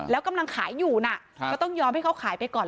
แล้วกำลังขายอยู่นะก็ต้องยอมให้เขาขายไปก่อน